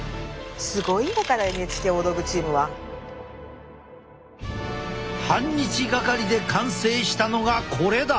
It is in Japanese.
すごいんだからＮＨＫ大道具チームは。半日掛かりで完成したのがこれだ！